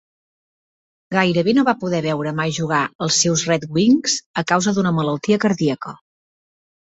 Gairebé no va poder veure mai jugar els seus Red Wings a causa d'una malaltia cardíaca.